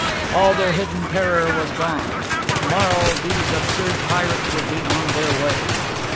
All the hidden terror was gone. To morrow these absurd pirates would be on their way.